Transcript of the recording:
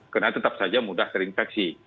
karena tetap saja mudah terinfeksi